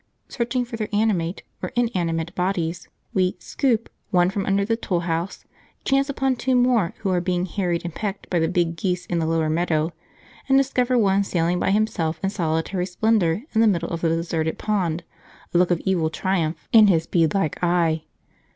Searching for their animate or inanimate bodies, we "scoop" one from under the tool house, chance upon two more who are being harried and pecked by the big geese in the lower meadow, and discover one sailing by himself in solitary splendour in the middle of the deserted pond, a look of evil triumph in his bead like eye.